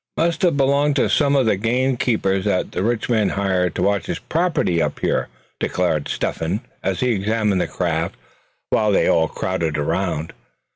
"Must a belonged to some of them game keepers that rich man hired to watch his property up here," declared Step hen, as he examined the craft, while they all crowded around.